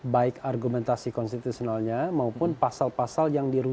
baik argumentasi konstitusionalnya maupun pasal pasal yang diperlukan